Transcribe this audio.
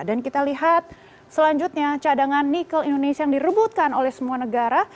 dan kita lihat selanjutnya cadangan nikel indonesia yang direbutkan oleh semua negara